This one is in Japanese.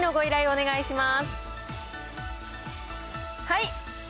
お願いします。